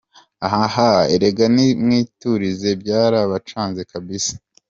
ahahahah erega nimwiturize byarabacanze kabisa ,